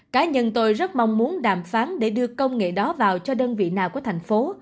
cá nhân tôi rất mong muốn đàm phán để đưa công nghệ đó vào cho đơn vị nào của thành phố